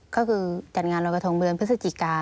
ก็คือจัดงานรอยกระทงเดือนพฤศจิกา